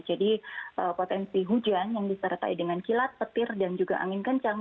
jadi potensi hujan yang disertai dengan kilat petir dan juga angin kencang